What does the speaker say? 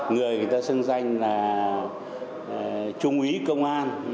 người người ta xưng danh là trung úy công an